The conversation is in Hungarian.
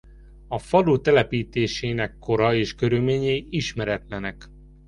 A falu telepítésének kora és körülményei ismeretlenek.